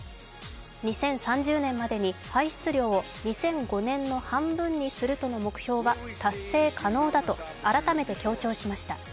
２０３０年までに排出量を２００５年の半分にするとの目標は達成可能だと改めて強調しました。